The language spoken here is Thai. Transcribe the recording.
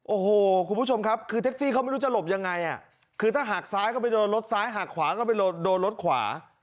โอ้โหคุณผู้ชมครับคือแท็กซี่เขาไม่รู้จะหลบยังไงคือถ้าหักซ้ายก็ไปโดนรถซ้ายหักขวาก็ไปโดนรถขวา